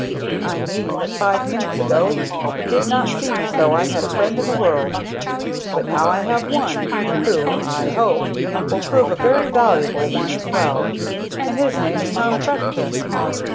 "I mean that five minutes ago it did not seem as though I had a friend in the world; but now I have one, who, I hope, will prove a very valuable one as well, and his name is Tom Trefethen."